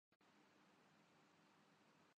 تو انہیں کون دیکھتا ہو گا؟